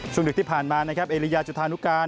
ส่วนดึกที่ผ่านมาเอลิยาจุธานุกาล